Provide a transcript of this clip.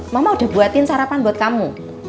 mama udah buatin sarapan buat kamu